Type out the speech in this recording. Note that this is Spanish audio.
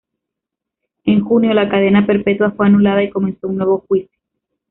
En junio, la cadena perpetua fue anulada y comenzó un nuevo juicio.